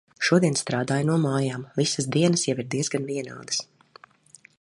Šodien strādāju no mājām. Visas dienas jau ir diezgan vienādas.